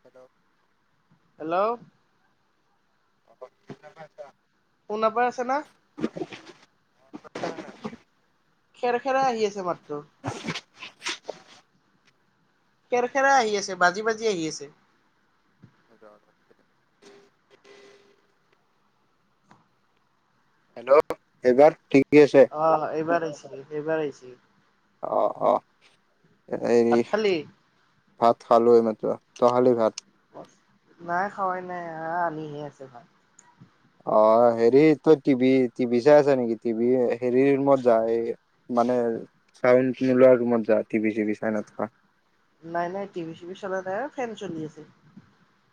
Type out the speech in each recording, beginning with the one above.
Hello! Hello [unintelligible] শুনা পাই আছে না [unintelligible] খেৰ খেৰা আহি আছে মাতটো খেৰ খেৰা আহি আছে বাজি বাজি আহি আছে [unintelligible] হেল্ল' এইবাৰ ঠিক অ এইবাৰ আইছে এইবাৰ আইছে অ অ এইৰি খালি? ভাত খালো এই মাত্ৰ তাই খালি ভাত নাই খাৱাই নাই আহ আনিহে আছে ভাল অ হেৰি তই টিভি টিভি চাই আছ নেকি টিভি হেৰিৰ মত যায় এ মানে চাউণ্ড নোলোৱা ৰুমত যা টিভি চিভি চাই নাথকা নাই নাই টিভি চিভি চলাই নাই অ ফেন চলি আছে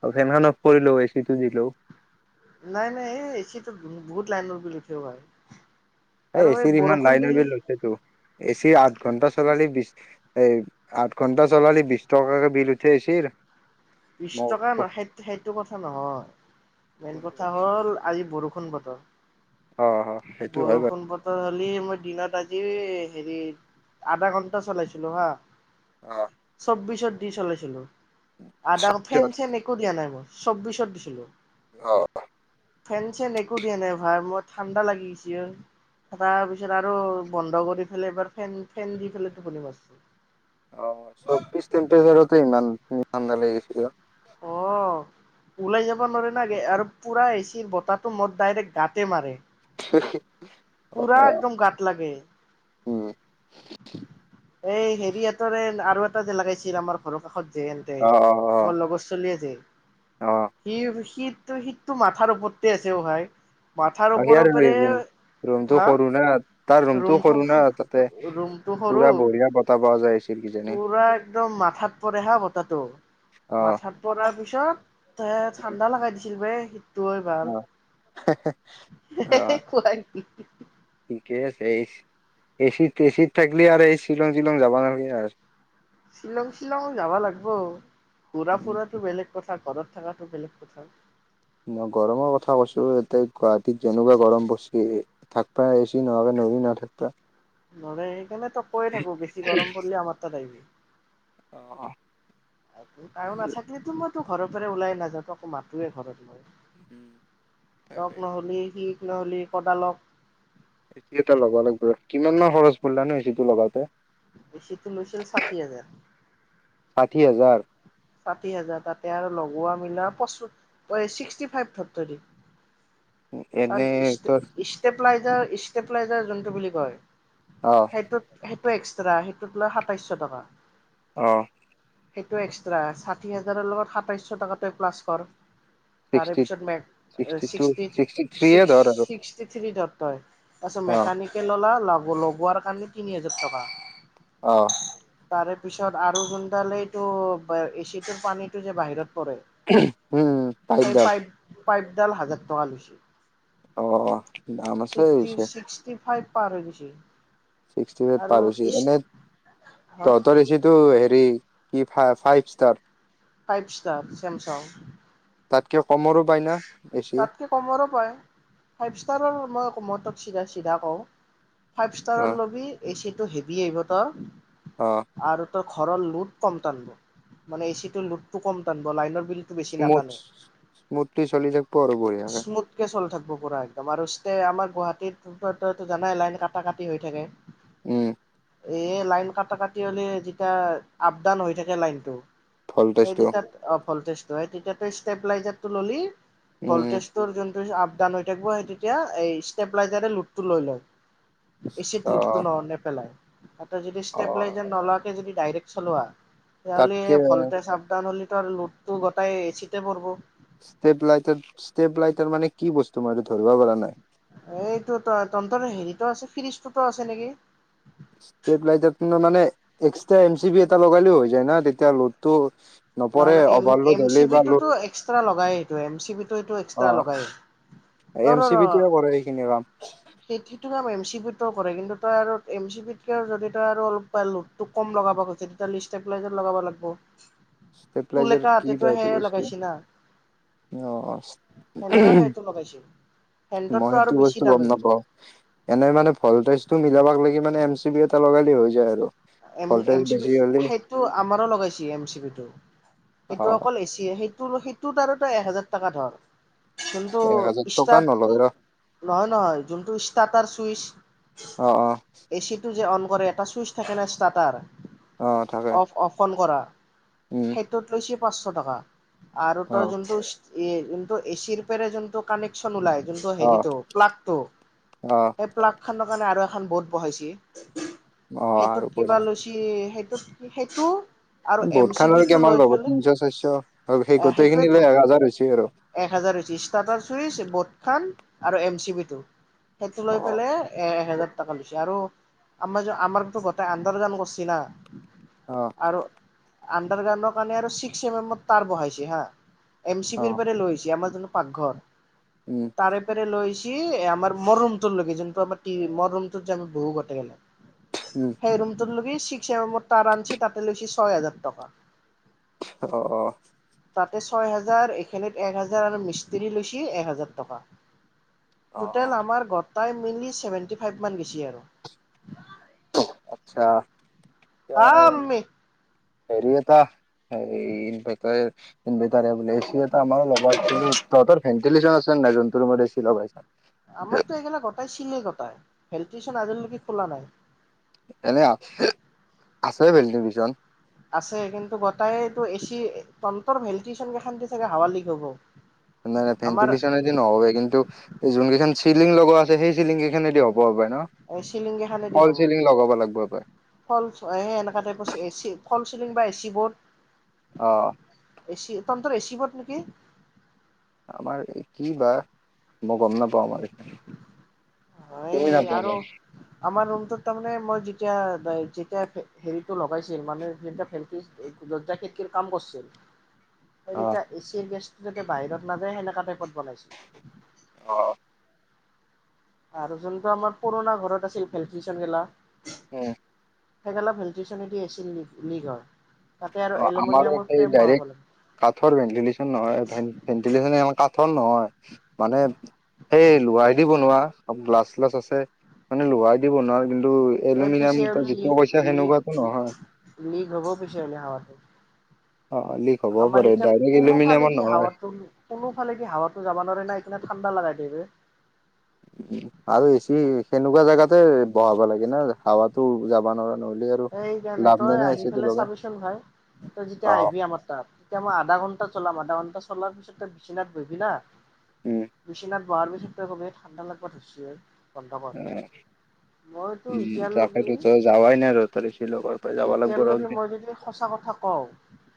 অ ফেন খন অফ কৰি ল এ চিটো দি লও নাই নাই এই এ চিটো বহুত লাইনৰ বিল উঠে ভাই এ আৰু এ এই চিৰ ইমান বৰষুণ লাইনৰ দিলি বি লৈছেতো এচি আঠ ঘণ্টা চলালি বি, এই আঠ ঘন্টা চলালে বিশ টকাকে বিল উঠি আহ, বিশ টকা নহয় সেইটো কথা নহয় মেইন কথা হ'ল আজি বৰষুণ বতৰ, [unintelligible] অ সেইটো হয় বাৰু কালি মই দিনত আজি হেৰি আধা ঘন্টা চলাইছিলো হা, অ চৌবিশত, কি চলাইছিল। আদা ফেন চেন একো দিয়া নাই মই। চৌবিশত দিছিলো। অ অ, ফেন চেন একো দিয়া নাই ভাই মই ঠাণ্ডা লাগিছে তাৰপিছত আৰু বন্ধ কৰিদিলে ফেন ফেন দি টোপনি মাৰছো। অ ছবিছ তেম্পেচাৰতে ইমান? ঠাণ্ডা লাগি গিছিলঃ। অ ওলাই যাব নৰে নাগে আৰু পুৰা এচিৰ বতাহটো মদ ডাইৰেক্ট গাতে মাৰে। পুৰা একদম গত লাগে। উম, এই হেৰিহঁতৰ আৰু এটা যে লগাগাইছিল আমাৰ ঘৰৰ কাষত যে এন্তে অ', অ', আমাৰ লগৰ ছোৱালী এ যে? অ', অ', সি শীত শীতটো-শীতটো মাথাৰ ওপৰতে আছে অ ভাই। মাথাৰ আহ ওপৰ সি ওপৰে ৰুম ৰুমতটো হা সৰু না তাৰ ৰুমটো সৰু না তাতে, ৰুমটো সৰু পুৰা বহুত পুৰা একদম মাথাত পৰে হা বতাতটো। অ'। মাথাত পৰাৰ পিছত চ এ ঠাণ্ডা লগাই দিছিল বেই। তই ভাল। অ', অ হে-হে-হে কোৱা [unintelligible] এচিত-এচিত থাকিল আৰু এই শ্বিলং-শ্বিলং যাবা নালগেহ আৰ। শ্বিলং-শ্বিলং যাব লগবো ঘুৰা ফুৰাতটো বেলেগ কথা ঘৰত থকাাতটো বেলেগ কথা ন গৰমৰ কথা কৈছো এতে গুৱাহাটীত যেনেকুৱা গৰম পৰ্চি, থাকবা এচি নোহোৱাকে নৰি না থাকবা। নৰে হে কাৰনে তক কৈে থাকো বেছি গৰম পৰিললে আমাৰ তাত আহিবি। অ', এইটো কায়ো নাথাকিলো টো মই ত ঘৰ পৰা ওলাই নাওঁ, তোক মাতোয়ে ঘৰত লৈ উম, তাকেই তক নহলে সি ললি কদালক এচি এটা লগাব লাগিব। কিমান মা খৰচ পৰিলা নু এচি টো লগাওঁতে? এছি ত লৈছিল ষাঠি হাজাৰ। ষাঠি হাজাৰ? ষাঠি হাজাৰ তাতে আৰু লগোৱা মিলাি পচুত অই শীষ্টি ফাইভ ধৰ ধৰি। অ এনে ই ইশ তোৰ [unintelligible] প্লাইজেৰ-ইষ্টাপ্লাইজেৰ যোনটো বুলি কয়? অ সেইটোেই এক্স্ৰা সেইটোত লয় সাতাইশ টকা। আহ সেইটো এক্ ষাঠি হাজাৰৰ লগত সাতাইছশ টকা তই প্লাছ কৰ। তাৰে ছিক্সটি পিছত মক ছিক্সটি টু ছিক্সটি থ্ৰীয়ে ছিক্স-ছিক্স ধৰ আৰু চিষ্টথ্ৰী ধৰ তই, তাৰপিছত অ মেকানিকেল ওলাল লগোৱাৰ কাৰণে তিনি হাজাৰ টকা। অ তাৰে পিছত আৰু গুোনডালেইটো বা এচি টোৰ পানীটো যে বাহিৰত পৰে উম পাইপ ডাল। পাইপডাল হাজাৰ টকা লৈছে। অঁ, নাম আছে ছিক্সটি হৈছে। ছিক্সটি ফাইভ পাৰ হৈ গৈছে। ছিক্সটি ফাইভ আৰু পাৰ হৈছে, ইষ্ট এনে হা তহঁতৰ এচিটো [unintelligible] ফাইভ ষ্টাৰ। ফাইভ ষ্টাৰ চেমচাং। তাত কিয় তাতকে কমৰো পায়, ফাইভ ষ্টাৰৰ মই কমতক চিধা চিধা পাও। ফাইভ অ ষ্টাৰৰ লবি এ চি টো হেভি আহিব ত অঁ। ঘৰৰ লোত কম তাৰ, মানে এ চি টো লোতটো কম তানবো লাইন [unintelligible] চলি থাকপ আৰু বহিয়াকে স্মুথকে চলি থাকিব পুৰা একদম আৰু আমাৰ গুৱাহাটী জানাই লাইন কটা কাটি হৈ থাকে। উম। এ লাইন কটা কাটি হ'লে যেতিয়া আপ ডাউন হৈ থাকে লাইনটো ভল্টেজটো এইগিতাত অ ভল্টেজ তই তেতিয়া তই ষ্টেবিলাইজাৰ টো ললি উম কলটেশটোৰ জুন আপডাউন হৈ থাকিব সেই তেতিয়া এই ষ্টেপলাইজাৰে লোডটো লৈ লয়। এ চিত অ লুটটো ন নেপেলাই। [unintelligible] তই যদি অ ষ্টেবিলাইজাৰ নলোৱাকে যদি ডাইৰেক্ট চলোৱা তেতিয়াহ'লে তাতকে ভল্টেজ আপ ডাউন হ'লে লোটটো গোটাই এ চি তে পৰব। ষ্টেপ লাইটাৰ ষ্টেপ লাইটাৰ মানে কি বস্তু মই এইটো ধৰিব পৰা নাই। এইটো তন্তৰ হেৰিতো আছে ফিৰিজ টোটো আছে নেকি। স্তেপ লাইটাৰ টো ন মানে এক্সট্ৰা এম চি বি এটা লগালেও হৈ যায় না তেতিয়া লোডটো নহয় নপৰে নহ এম এম অভাৰলোড চি হ'লে বি বা লোড টোতো এক্সট্ৰা লগায়ে এইটো এম চি বি টো অ এক্সট্ৰা লগায়ে এম চি ৰ-ৰ বি টোৱে কৰে এইখিনি কাম সেইটো এম চি বি কৰে কিন্তু তই আৰু এম চি পিত কৈও যদি তই আৰু অলপ লডটো কম লগাব তেতিয়া হ'লে ষ্টেট প্লাইজত লগাব লাগবো। ষ্টেপলাইজাৰ কি বা এইটো বস্তু অ না উমহ সেন্তেও সেইটো লগাইছিল সেন্ততটো মই আৰু সেইটো বেছি বস্তু গম দামী নাপাওঁ এনেই মানে ফলট টো মিলাবাক লাগি মানে এম চি বি এটা লগালি হৈ যায় আৰু M voltage M C B বেছি হ'লে সেইটো আমাৰো লগাইছে এম চি বি টো অ সেইটো অকল এচি সেইটো স টোত আৰু তই এক হেজাৰ টকা ধৰ কিন্তু এক হাজাৰ টকা ষ্টাট নলয় ৰ নহয় নহয় যোনটো ষ্টাটাৰ চুইচ অ অ এচিটো যে অন কৰে এটা চুইচ থাকে না চাতাৰ অ থাকে অফ অফ অন কৰা উম সেইটোত লৈছে পাঁচশ টকা আৰু অ তই যোনটো ই যোনটো এচিৰ পেৰে যোনটো কানেকচন ওলাই যোনটো অ হেৰিটো প্লাগটো অ সেই প্লাগ খানক কাৰণে আৰু এখন বোট বহাইছি অ আৰু কৈ কিবা লৈচি সেইটোত সেইটো আৰু এম বহুত চি খানৰ বি টো কিমান লৈ ল'ব পেলাই তিনশ চাৰিশ আৰু সেই গোটেই খিনি লৈ সেইটোৱেতো হাজাৰ হৈছে আৰু এক হাজাৰ হৈছে ষ্টাৰ্টাৰ চুইচ ব খান আৰু এম চি বি টো সেইটো লৈ অ পেলাই এ এহেজাৰ টকা লৈছে আৰু আমাৰ আমাৰটো বৰ্ত ত আন্দাৰ গ্ৰাউণ্ড কৰিছি না অ আন্দৰ গ্ৰাউণ্ডৰ কাৰণে আৰু চিকছ এম মেমৰ তাৰ বহাইছি হা এম চি অ বিৰ পৰা লৈছি আমাৰ যোন পাকঘৰ উম তাৰে প্ৰায় লৈছি ছিল আমাৰ মৰ ৰোমটোৰ লৈকে যোনটো আমাৰ মৰ ৰোমটোত যে বহু গটে কেইটাই উম সেই ৰুমটোৰ লৈকে লৈছ চিকছ এম মেমৰ তাতে লৈছি ছয় হেজাৰ টকা অ অ তাতে ছয় হাজাৰ এইখত এক হাজাৰ আৰু মিস্ত্ৰী লৈছ এক হাজাৰ টকা, অ টোটেল আমাৰ গ পাৰ মিনিট চছেভেনটি ফাইভ মান গেছে আৰু আচ্ছা। এতিয়া আহ আমি। হেৰি এটা হনভাৰটাৰনভাৰটাৰ বো এ চি এটা আমাৰ লগাই তহঁতৰ ভেণ্টিলেচন আছে ন নাই যোনটো ৰুমত এচি লগাইছা। আমাৰতো এইগালা গোটাই চিলে গটাই। হেল ষ্টেচন আজিলৈকে খোলা নাই। এনে আছে ভেলট পিছন। আছে কিন্তু গোটায়টো এচি তন্তৰ ভেল্টি চনকে খান চাগে হাৱ লিক হব। নাই নাই ফেটি আমাৰ পিছনৰ দিন ন কিন্তু এই জোনকখন চিলিং লগৰ আছে সেই চিলিংকেইখনে দিয়ক এ শ্বিলিংগি খানেদি হ'ব লগাব লাগিব হপায় ফল এনেককা টাইপৰ চে চে ফল চিলিং বা এ চি অ বৰ্ড। এছি প। ৰেচিপত নেকি? আমাৰ এই কি বা মই গম নাপাওঁ আমাৰ এইখ হয় তি নাপাব। আৰু আমাৰ ৰুমটোত তাৰমানে মই যেতিয়া-যেতিয়া হেৰিটো লগাইছিল মানে যে যৰ্জা খেতিকীৰ কাম কৰিছিল। অ আৰুটা এছিয় গ যেতিয়া বাহিৰত নাযায় সেনেকাতে বনাইছোঁ। অ আৰু যোনটো আমাৰ পুৰণা ঘৰত আছিল ভেন্টিলেশ্যন গেলা, উম। সেইগেলপ ভেন্টিলেছন দি আছিল লীগৰ অ আমাৰো ডাইৰেক্ট কাঠৰ ভেন্টিলেশ্যন নহয়, ভেন্টিল্যন আমাৰ কাঠ ঠৰ নহয়, মানে এই লোহাৰ দি বনোৱা হয়। অ প্লাছ চ্লাছ আছে। মানে লোহাৰ দি বনোৱা হয়। এ পিছে সেনেকুৱাতো নহয় [unintelligible] হ'ব পিছে এ হ অ লিক হ'ব আমাৰ পাৰে এতিয়া ডাইৰেক্ট এলুমিনিয়ামৰ কোনোফালেদি নহয় হাৱাটো, কোনোফালেদি হাৱাটো যাব নোৱাৰে। নাই মানে ঠাণ্ডা লাগাই দিবে, উ আৰু এচি সেনেকুৱা জেগাতে বহাব লাগে না, হাৱাটো যাব নোৱাৰা নহ'লে আৰু সেইকাৰণে লাভ তই নাই না আহি এচিটো পেলাই লগাই চাবিচোন ভাই, তই যেতিয়া অ আহিবি আমাৰ তাত, তেতিয়া মই আধা ঘন্টা চলাম আৰু। নটা চলোৱাৰ পিছত ত বিছনাথ বহিবি না, উম বিছনাথ বহাৰ পিছত খবেই ঠাণ্ডা লাগবাত ধৰিছে। অ উম। তাকে এতিয়ালৈকে তো যাবাই ন এতিয়ালৈকে মই যদি সঁচা কথা কও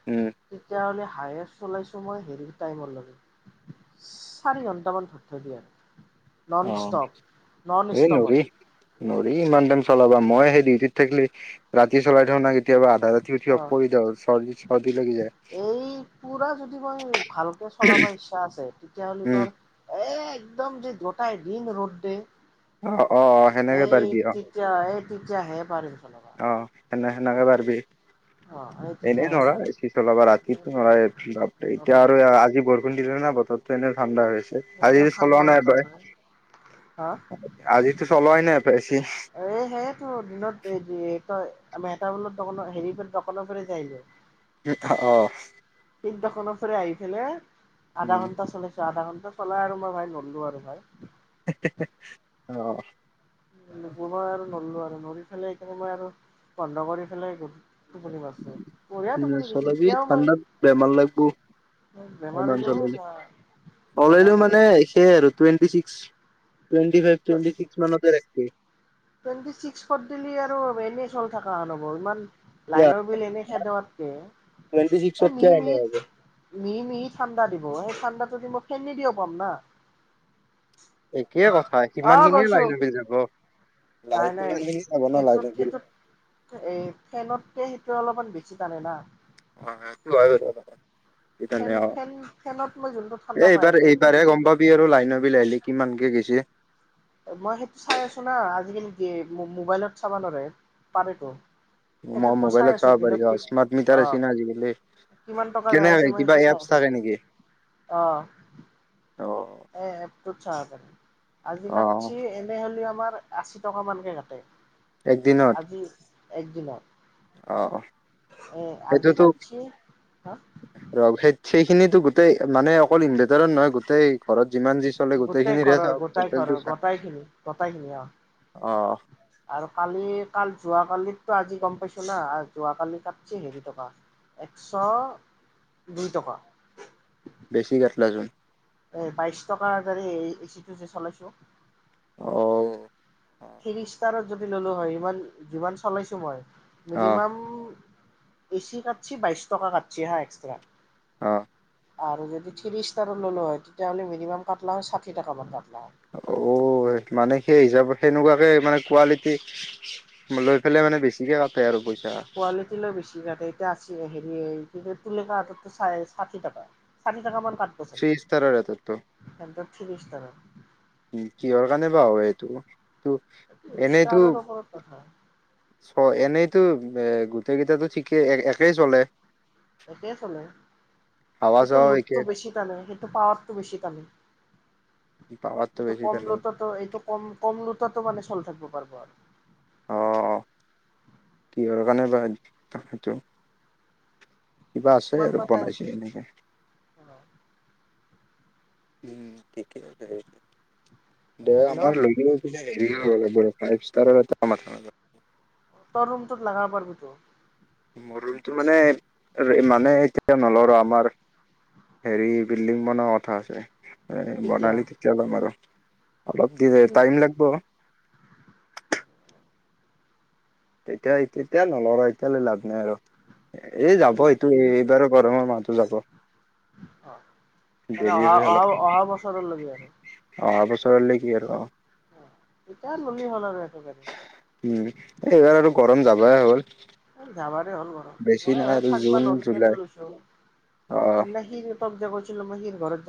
উম তেতিয়াহ'লে হায়েষ্ট চলাইছো মই হেৰি টাইম লৈ চাৰি ঘন্টামান ধধৰিয়া অ নন ষ্টপ নন এই ষ্টপ নৰি আৰু নৰি ইমান টাইম চলাবা মই সেই ডিউটিত থাকলি ৰাতি চলাই থৌ নহ কেতিয়াবা আধা ৰাতি উঠি অফ অহ কৰি দিওঁ চৰ্দি চৰ্দি লাগি যায় এই পুৰা যদি মই ভালকে চলাব ইচ্ছা আছে তেতিয়া হ'লে উম, তৰ এহ একদম যে দুটাই দিন ৰোডডে অহ অহ সেনেকে পাৰবি অহ তেতিয়া এই তেতিয়াহে পাৰিম। চলাব অহ সেনে সেনেকে পাৰবি অ এই এনেই তেতিয়াহে নৰা পাৰিম এচি চলাবা ৰাতিটো নৰাই এতিয়া আৰু আজি বৰষুণ দিলে নহ বতৰতো তেনে ঠাণ্ডা হৈছে। আজি এনেও চলোৱা ঠাণ্ডা নাই বতৰ তই হয় আজিতো চলোৱা নাই হেপাই এহ সেয়েটো দিনত এই যে এই তই আমাৰ এটা [unintelligible] হেৰি দোকানৰ পৰা যাই যঅ [unintelligible] অহ ঠিক দোকানৰ ফেৰে আহিফেলে আধা উম ঘণ্টা চলে আধা ঘণ্টা চলাই আৰু মই ভাই নল্লো আৰু ভাই হে হে হে, অহ মই আৰু নলো আৰু নৰি পেলাই সেইকাৰণে মই আৰু বন্ধ কৰি ফেলেই গলো নচলাবি এতিয়াও মই ঠাণ্ডাত বেমাৰ লাগব, বেমাৰ হৈ সমান যাব চলালি নৰা চলালিও মানে নৰা সেয়ে আৰু twenty six twenty five twenty six মানৰ পৰা উম টুৱেণ্টি চিক্সত দিলি আৰু এনেই চলি থকাৰ হেন হ'ব। ইমান এতিয়া লাইনৰ বিল এনে খেদাওতকে, টুৱেণ্টি এহ ছিক্সত কিয় মিহি এনে হ'ব। মিহিত মিহি মিহি ঠাণ্ডা দিব সেই ঠাণ্ডাটো দি মই ফেনেদিও পাম না একে কথা অ সিমান খিনিয়ে গৈছো লাইনৰ বিল যাব। লাই নাই নাই সিমান খিনি যাব ন সেইটোত লাইনৰ বিল। সেইটোত এহ ফেনটকে সেইটো অলপমান বেছি টানে না অহ সেইটো হয় বাৰু। ফেন সেইকাৰণে অহ ফেন ফেনত মই যোনটো ঠাণ্ডা এহ পাই এইবাৰ আছো সেইটোত এইবাৰ গম পাবি আৰু লাইনৰ বিল আহিলে কিমানকে গেইছি মই সেইটো চাই আছো না আজিকালি দিয়ে মোবাইলত চাব নোৱাৰে, পাৰেতো মই সেইটোত চাই মোবাইলত আছো চাব পাৰি দিনত অ কি স্মাৰ্ট অ মিটাৰ আইছি না আজিকালি, কিমান টকা যাই আছে কেনেক মই কিবা সেইটো চাই এপছ আছো থাকে নেকি? অ' এ এপ তটো চাহ পাৰি। আজি অ' কাাটছি এনে হলে আমাৰ আশী টকা মানকে কাটে। একদিনত? আজি একদিনত। অ এ আজি সেইটোতো, কাটছি হা ৰ সেই সেইখিনিিতো গোটেই মানে অকল ইনভাৰটাৰত নহয় গোটেই ঘৰত যিমান যি চলে গোটেই গোটেইখিনিৰে ঘৰৰ, চাওক গোটাই ঘৰৰ, টোটেলটো চা গোটাই খিনি, গোটাই খিনি অ', অ' আৰু কালি কাল যোৱ কালিত আজি গম পাইছো না? যোৱাকালি কাতচি হেৰি টকা, একশ দুই টকা। বেছি কাটলা চুন। এই বাইশ টকাৰ গ এচিটো যে চলাইছো। অহ থ্ৰ ষ্টাৰত যদি ললো হয়, ইমান যিমান চলাইছো মই অ' মিনিমাম এচি কাটছি বাইশ টকা কাটছি হা এক্সট্ৰা। অহ আৰু যদি থ্ৰ্ৰী ষ্টাৰো ল'লো হয়, তেতিয়াহ'লে মিনিমাম কাটলা ষাঠিটকাামান কাটলা হয়। অ মানে সেই হিচাপত সেনেকুৱাকে মানে কোৱালিটি লৈ পেলাই মানে বেছিকে কাটে আৰু পইচা। কোৱালিটিল বেছি কাতে, এতিয়া আছে হেৰি গ তুলেকা হাততো চাই ষাঠি টাকৈ, সাথী টাকা মান কাতবো থ্ৰী চাগে, ষ্টাৰৰ ৰেটতটো হেহটৰ থ্ৰী ইষ্টাৰৰ। উ কিহৰ কাৰণে বা হয় এইটো? ত ইষ্টাৰৰ ওপৰত কথা। চ এনেইতো এ গোটেই কেইটো ঠিকেই এক একেই চলে। একে চলে। হাৱা সেইটো চাৱাও একে। লোডটো বেছি টানে, সেইটো পাৱাৰটো বেছি টানে। পাৱাৰটো এইটো বেছি কম তাৰ নেকি লোতাতো এইটো কম-কম লোতাতটো মানে চল থাকিব। বাৰ-বাৰ। অ-অ কি আৰু কাৰণে বা তেইটো? কিবা আছে কিমান আৰু বা টাইম বনাইছেো এনেকে। উম ঠিকেই সেই দে হেল্ল' আমাৰ লৈ গৈ [unintelligible] [unintelligible] ফাইভ ষ্টাৰৰ এটা মঠ মাৰিব তৰ ৰুমটোত লাগাব পাৰবিতো। মোৰ ৰুমটো মানে, মানে এতিয়া নলওঁ ৰ ', আমাৰ হেৰি বিল্ডিং বনোৱা কথা আছে। কেতিয়া? বনালি তেতিয়া লম আৰু। অলপ দি, টাইম লাগব। তেতিয়া, তেতিয়া নলগায়। কেলে লাভ নাই আৰু? এই', যাব এইটো এইবাৰো গৰমৰ মাহতো যাব মানে দেৰি অহা আছে, অহা অহা বছৰলৈকে আৰু অলপ। অহ', ঘৰৰ লেগি আৰু অহ ', এতিয়া ললি হল আৰু, এইটো গাড়ী উম', এইবাৰ আৰু, গৰম যাবাই হ'ল। জাবাৰে হ'ল গৰম। বেছি মই নাই ভাই আৰু থাকবা জুন নৰি কেনে জুলাই লৈছো। অ সেইদিনা সি, তক যে কৈছিলোঁ মই হিৰ ঘৰত যাম।